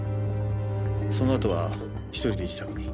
そのあとは１人で自宅に。